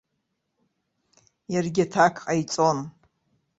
Иаргьы аҭак ҟаиҵон.